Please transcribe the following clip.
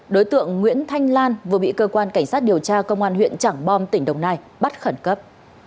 đối tượng nguyễn thanh lan vừa bị cơ quan cảnh sát điều tra công an huyện trảng bom tỉnh đồng nai bắt khẩn cấp